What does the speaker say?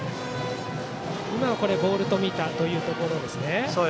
今はボールと見たというところですね。